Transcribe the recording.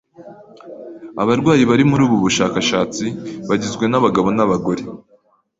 Abarwayi bari muri ubu bushakashatsi bagizwe n'abagabo n'abagore .